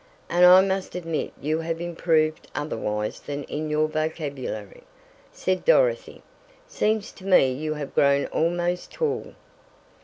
"And I must admit you have improved otherwise than in your vocabulary," said Dorothy. "Seems to me you have grown almost tall."